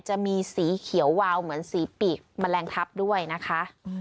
จะมีสีเขียววาวเหมือนสีปีกแมลงทับด้วยนะคะ